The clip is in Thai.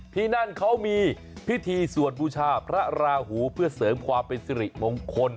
ที่นั่นเขามีพิธีสวดบูชาพระราหูเพื่อเสริมความเป็นสิริมงคล